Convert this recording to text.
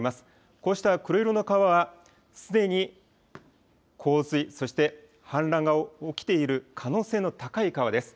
こうした黒色の川は、すでに洪水、そして氾濫が起きている可能性の高い川です。